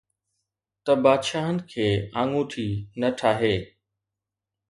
ته بادشاهن کي آڱوٺي نه ٺاهي